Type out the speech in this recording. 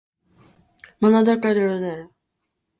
Mano Dayak International Airport in Agadez is named after him.